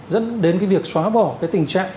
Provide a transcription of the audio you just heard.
dẫn đến cái việc xóa bỏ cái tình trạng